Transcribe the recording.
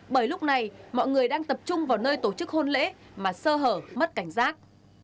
bởi lúc này mọi người đang tập trung vào nơi tổ chức hôn lễ mà sơ hở mất cảnh giác